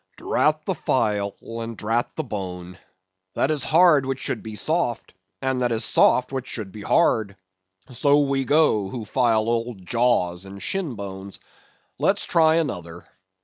_) Drat the file, and drat the bone! That is hard which should be soft, and that is soft which should be hard. So we go, who file old jaws and shinbones. Let's try another.